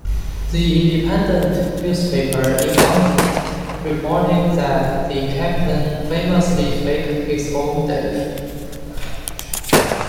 The Independent newspaper in London reported that the Captain famously faked his own death.